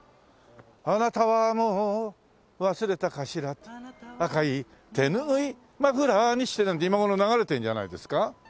「貴方はもう忘れたかしら赤い手拭マフラーにして」なんて今頃流れてるんじゃないですか？